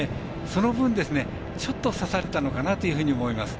その分、ちょっとささったのかなと思います。